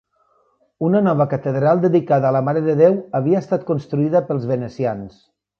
Una nova catedral dedicada a la Mare de Déu havia estat construïda pels venecians.